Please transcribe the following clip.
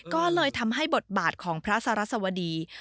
ก็เลยทำให้บทบาทของพระสรัสวดี